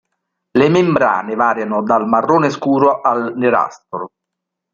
Le membrane variano dal marrone scuro al nerastro.